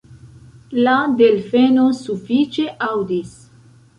La delfeno sufiĉe aŭdis.